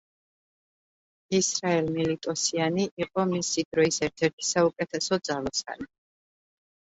ისრაელ მილიტოსიანი იყო მისი დროის ერთ-ერთი საუკეთესო ძალოსანი.